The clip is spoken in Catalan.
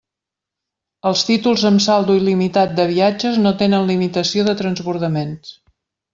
Els títols amb saldo il·limitat de viatges no tenen limitació de transbordaments.